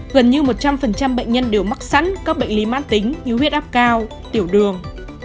gần như một trăm linh bệnh nhân đều mắc sẵn các bệnh lý mãn tính yếu huyết áp cao tiểu đường